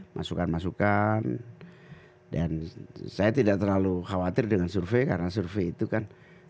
masukan masukan dan saya tidak terlalu khawatir dengan survei karena survei itu kan